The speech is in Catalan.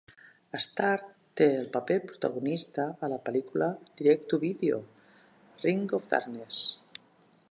Starr té el paper protagonista a la pel·lícula Direct-To-Video, "Ring of Darkness".